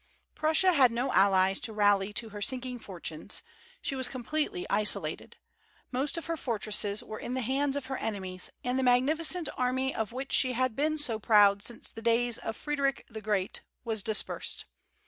Prussia had no allies to rally to her sinking fortunes; she was completely isolated. Most of her fortresses were in the hands of her enemies, and the magnificent army of which she had been so proud since the days of Frederic the Great was dispersed.